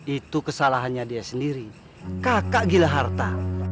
itu kesalahannya dia sendiri kakak gila harta